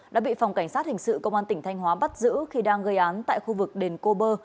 đã bị phòng cảnh sát hình sự công an tỉnh thanh hóa bắt giữ khi đang gây án tại khu vực đền cô bơ